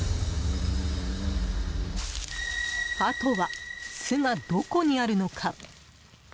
あとは、巣がどこにあるのか。